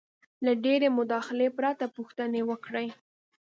-له ډېرې مداخلې پرته پوښتنې وکړئ: